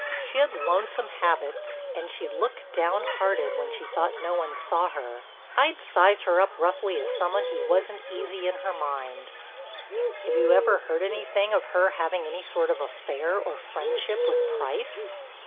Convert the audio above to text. She'd lonesome habits and she'd look downhearted when she thought no one saw her. I'd size her up roughly as some one who wasn't easy in her mind." "Have you ever heard anything of her having any sort of affair or friendship with Price?"